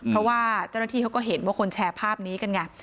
เพราะว่าเจ้าหน้าที่เขาก็เห็นว่าคนแชร์ภาพนี้กันไง